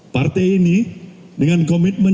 partai ini dengan komitmen